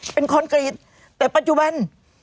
เป็นคอนกรีตแต่ปัจจุบัน